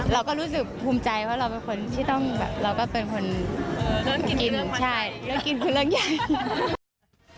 เราก็รู้สึกภูมิใจว่าเราเป็นคนที่ต้องแบบเราก็เป็นคนกินใช่แล้วกินเป็นเรื่องใหญ่